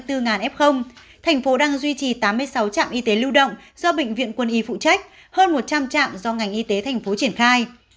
thành phố đang duy trì tám mươi sáu trạm y tế lưu động do bệnh viện quân y phụ trách hơn một trăm linh trạm do ngành y tế thành phố triển khai